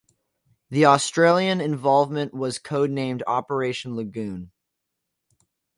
The Australian involvement was codenamed Operation Lagoon.